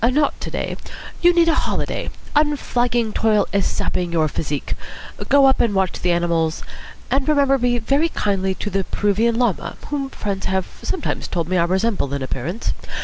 "Not to day. You need a holiday. Unflagging toil is sapping your physique. Go up and watch the animals, and remember me very kindly to the Peruvian Llama, whom friends have sometimes told me I resemble in appearance.